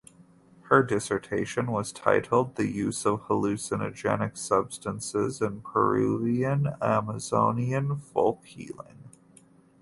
Her dissertation was titled "The Use of Hallucinogenic Substances in Peruvian Amazonian Folk Healing".